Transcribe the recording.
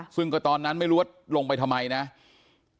ซึ่งก็ตอนนั้นไม่รู้ว่าลงไปทำไมนะครับ